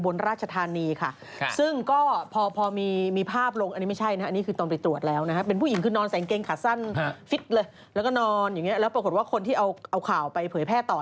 และปรากฏว่าคนที่เอาข่าวไปเผยแพร่ต่อ